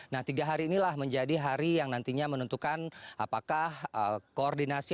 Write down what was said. nah tiga hari inilah menjadi hari yang nantinya menentukan apakah koordinasi